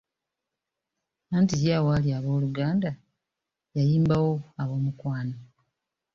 Anti ye, awaali "Abooluganda" yayimbawo "Aboomukwano".